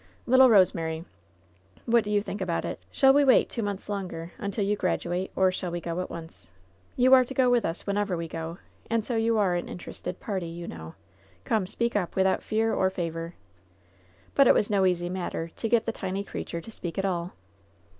Little Rosemary, what do you think about it ? Shall we wait two months longer, until you graduate, or shall we go at once ? You are to go with us whenever we go, and so you are an interested party, you know. Come, speak up, without fear or favor !" But it was no easy matter to get the tiny creature to speak at all.